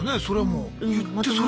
それはもう。